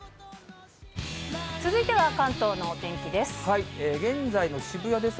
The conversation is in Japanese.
続いては関東のお天気です。